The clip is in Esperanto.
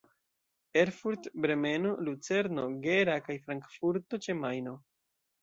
Erfurt, Bremeno, Lucerno, Gera kaj Frankfurto ĉe Majno.